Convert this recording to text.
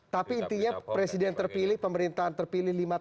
tapi intinya presiden terpilih pemerintahan terpilih lima tahun